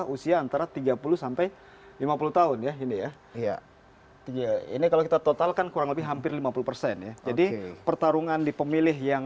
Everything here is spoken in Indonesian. untuk bisa diperbaiki